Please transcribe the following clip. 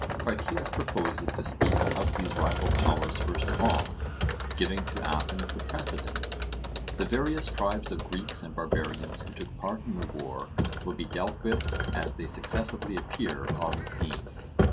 Critias proposes to speak of these rival powers first of all, giving to Athens the precedence; the various tribes of Greeks and barbarians who took part in the war will be dealt with as they successively appear on the scene.